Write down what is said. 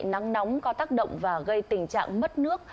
nắng nóng có tác động và gây tình trạng mất nước